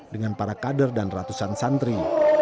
dengan para kader dan ratusan santri